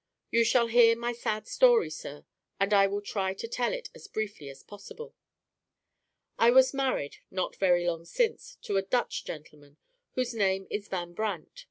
You shall hear my sad story, sir; and I will try to tell it as briefly as possible. "I was married, not very long since, to a Dutch gentleman, whose name is Van Brandt.